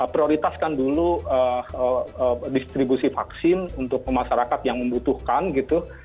prioritaskan dulu distribusi vaksin untuk masyarakat yang membutuhkan gitu